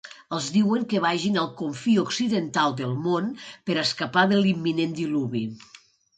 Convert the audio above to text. Els diuen que vagin al confí occidental del món per a escapar de l'imminent Diluvi.